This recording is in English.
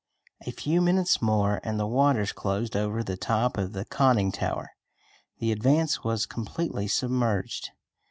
A few minutes more and the waters closed over the top of the conning tower. The Advance was completely submerged.